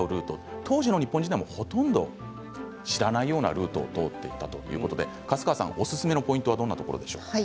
当時の日本人でもほとんど知らないようなルートを取っていたということで粕川さんおすすめのポイントはどんなところですか。